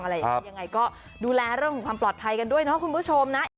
อย่างไรก็ดูแลเรื่องของความปลอดภัยกันด้วยนะคุณผู้ชมนะ